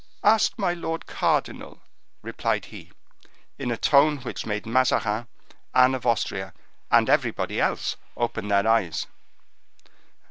"Ask my lord cardinal," replied he, in a tone which made Mazarin, Anne of Austria, and everybody else open their eyes.